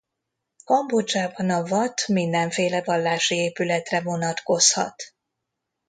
Kambodzsában a vat mindenféle vallási épületre vonatkozhat.